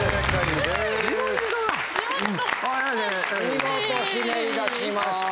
見事ひねり出しました。